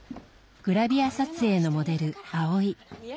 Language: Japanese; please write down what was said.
グラビア撮影のモデルアオイ。